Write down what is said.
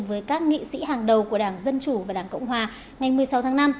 với các nghị sĩ hàng đầu của đảng dân chủ và đảng cộng hòa ngày một mươi sáu tháng năm